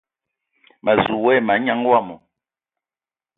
Ma zu we ai manyaŋ wama.